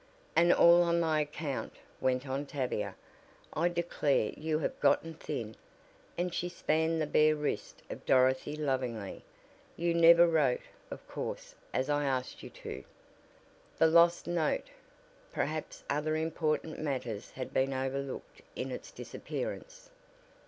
"And all on my account," went on Tavia. "I declare you have gotten thin," and she spanned the bare wrist of Dorothy lovingly. "You never wrote, of course, as I asked you to." The lost note! Perhaps other important matters had been overlooked in its disappearance.